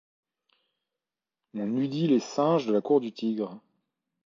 On eût dit les singes de la cour du tigre.